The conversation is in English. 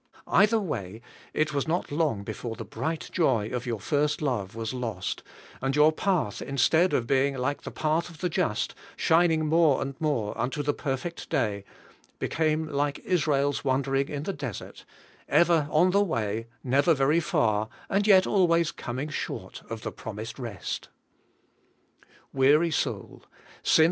Either way, it was not long before the bright joy of your first love was lost, and your path, instead of being like the path of the just, shining more and more unto the perfect day, became like Israel's wandering in the desert, — ever on the way, never very far, and yet always coming short of the promised rest. Weary soul, since